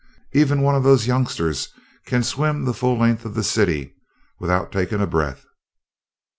Even one of those youngsters can swim the full length of the city without taking a breath."